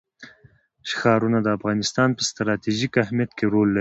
ښارونه د افغانستان په ستراتیژیک اهمیت کې رول لري.